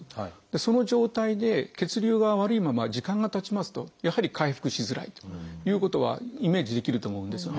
その状態で血流が悪いまま時間がたちますとやはり回復しづらいということはイメージできると思うんですよね。